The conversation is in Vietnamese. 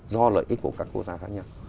do lợi ích của các quốc gia khác nhau